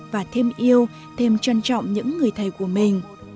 và thêm yêu thêm trân trọng những người thầy của mình